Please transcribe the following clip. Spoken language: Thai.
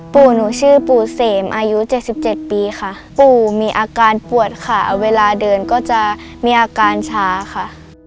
ปู่หนูชื่อปู่เสมอายุ๗๗ปีค่ะปู่มีอาการปวดค่ะเวลาเดินก็จะมีอาการช้าค่ะ